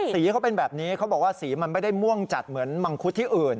สีเขาเป็นแบบนี้เขาบอกว่าสีมันไม่ได้ม่วงจัดเหมือนมังคุดที่อื่น